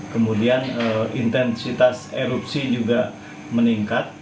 kemudian intensitas erupsi juga meningkat